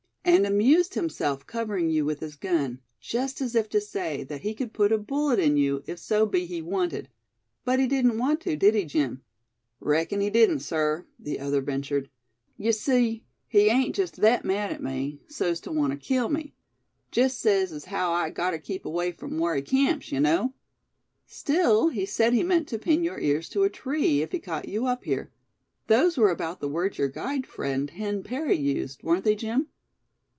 "And amused himself covering you with his gun, just as if to say that he could put a bullet in you, if so be he wanted; but he didn't want to, did he Jim? "Reckon he didn't, sir," the other ventured. "Yuh see, he ain't jest thet mad at me, so's tuh wanter kill me; jest sez as haow I gotter keep away from whar he camps, yuh know." "Sill, he said he meant to pin your ears to a tree, if he caught you up here; those were about the words your guide friend, Hen Parry, used, weren't they, Jim?"